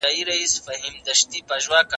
تاسو په پوره صداقت ژوند کاوه.